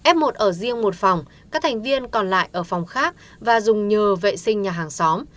f một ở riêng một phòng các thành viên còn lại ở phòng khác và dùng nhờ vệ sinh nhà hàng xóm